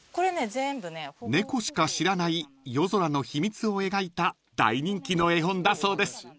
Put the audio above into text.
［猫しか知らない夜空の秘密を描いた大人気の絵本だそうです］